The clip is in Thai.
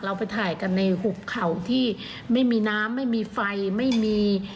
เราไปถ่ายกันในหุบเขาที่ไม่มีน้ำไม่มีไฟไม่มี